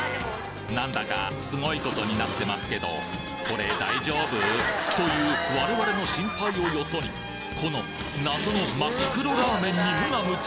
なんだかすごいことになってますけどこれ大丈夫？という我々の心配をよそにこの謎の真っ黒ラーメンに無我夢中！